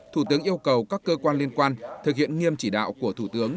thủ tướng yêu cầu các cơ quan liên quan thực hiện nghiêm chỉ đạo của thủ tướng